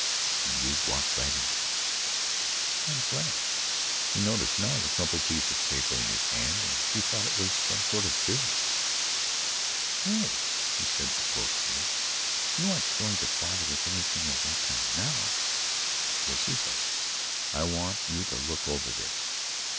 "And you've walked right into it" "I'm glad." She noticed now the crumpled piece of paper in his hand and she thought it was some matter of business. "Oh," she said, reproachfully. "You aren't going to bother with anything of that kind now?" "Yes," he said. "I want you to look over this."